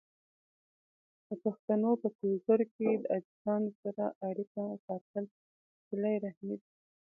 د پښتنو په کلتور کې د عزیزانو سره اړیکه ساتل صله رحمي ده.